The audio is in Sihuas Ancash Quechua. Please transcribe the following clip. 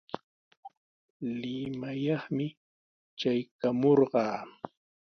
Limayaqmi traykamurqaa.